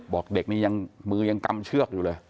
บอกเด็กนี่ยังมือยังกำเชือกอยู่เลย